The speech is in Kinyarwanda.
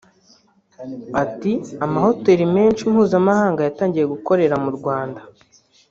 Ati “Amahoteli menshi mpuzamahanga yatangiye gukorera mu Rwanda